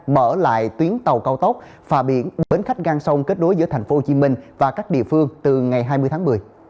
mở lại tuyến tàu cao tốc phà biển bến khách ngang sông kết nối giữa tp hcm và các địa phương từ ngày hai mươi tháng một mươi